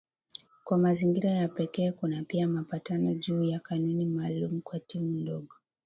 Kwa mazingira ya pekee kuna pia mapatano juu ya kanuni maalumu kwa timu ndogo